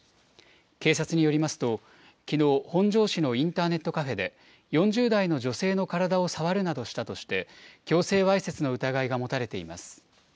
警察によりますと、きのう、本庄市のインターネットカフェで、４０代の女性の体を触るなどしたとして、強制わいせつの疑いが持たれています。